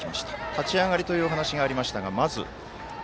立ち上がりというお話がありましたが、まず。